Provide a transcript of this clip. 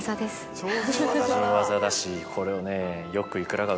超人技だしこれをね。